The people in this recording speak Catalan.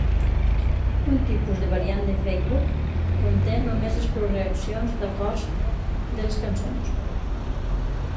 Un tipus de variant de fake book conté només les progressions d'acords de les cançons.